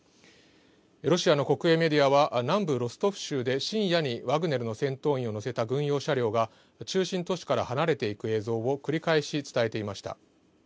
ロシアの国営メディアは南部ロストフ州で深夜にワグネルの戦闘員を乗せた軍用車両が中心都市から離れていく映像を繰り返し伝えていました。